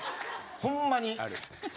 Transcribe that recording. ホンマに。